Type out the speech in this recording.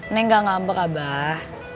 neng gak ngambek abah